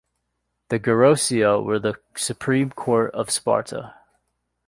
The gerousia were the Supreme Court of Sparta.